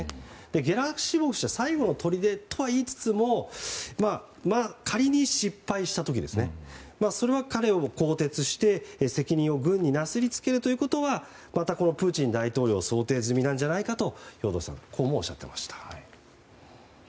ゲラシモフ氏が最後のとりでとは言いつつも仮に、失敗した時に彼を更迭して責任を軍になすりつけるということはまたプーチン大統領は想定済みなんじゃないかと兵頭さんはそうおっしゃっていました。